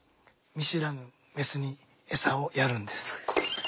見知らぬメスにエサをやるんです。